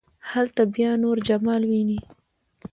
هلته بیا نور جمال ويني.